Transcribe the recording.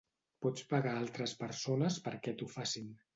Pots pagar altres persones perquè t'ho facin.